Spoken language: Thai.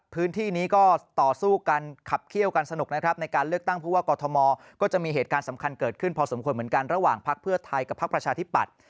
พื้นที่นี้ก็ต่อสู้กันขับเขี้ยวกันสนุกนะครับในการเลือกตั้งผู้ว่ากอทมก็จะมีเหตุการณ์สำคัญเกิดขึ้นพอสมควรเหมือนกันระหว่างพักเพื่อไทยกับพักประชาธิปัตย์